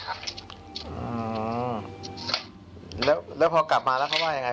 ครับอืมแล้วแล้วพอกลับมาแล้วเขาว่ายังไง